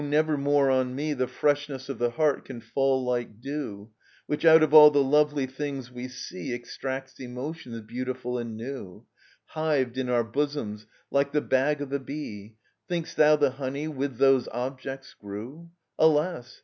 never more on me The freshness of the heart can fall like dew, Which out of all the lovely things we see Extracts emotions beautiful and new, Hived in our bosoms like the bag o' the bee: Think'st thou the honey with those objects grew? Alas!